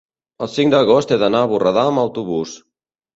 el cinc d'agost he d'anar a Borredà amb autobús.